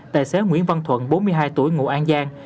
tài xế nguyễn văn thuận bốn mươi hai tuổi ngụ an giang